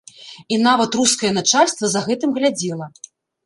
І нават рускае начальства за гэтым глядзела.